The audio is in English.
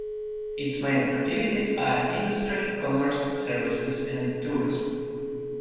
Its main activities are industry, commerce, services and tourism.